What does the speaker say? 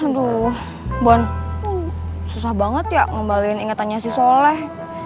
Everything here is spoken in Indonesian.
aduh buan susah banget ya ngembalikan ingetannya si soleh